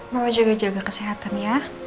mama jaga kesehatan ya